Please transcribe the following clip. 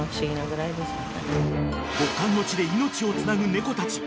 極寒の地で命をつなぐ猫たち。